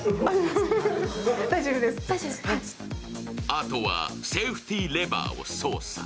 あとはセーフティーレバーを操作。